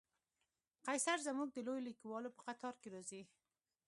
قیصر زموږ د لویو لیکوالو په قطار کې راځي.